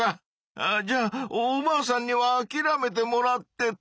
あじゃあおばあさんにはあきらめてもらってと。